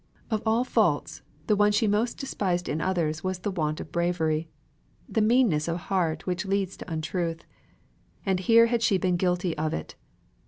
Of all faults the one she most despised in others was the want of bravery; the meanness of heart which leads to untruth. And here had she been guilty of it!